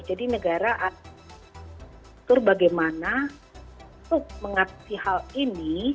jadi negara atur bagaimana untuk mengatasi hal ini